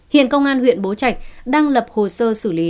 hiện công an huyện bố trạch đang lập hồ sơ xử lý